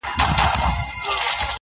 خو پر لمانځه، يو داسې بله هم سته_